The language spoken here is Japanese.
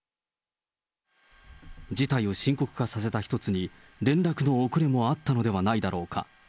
事態を深刻化させた一つに、連絡の遅れもあったのではないだろうか。